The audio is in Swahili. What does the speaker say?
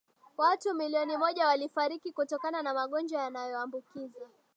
watu milioni moja walifariki kutokana na magonjwa yanayoambukiza